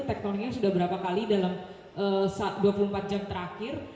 tektoniknya sudah berapa kali dalam dua puluh empat jam terakhir